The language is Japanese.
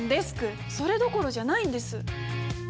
それどころじゃないんです！